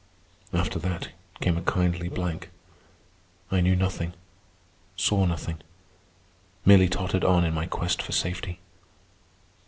After that came a kindly blank. I knew nothing, saw nothing, merely tottered on in my quest for safety.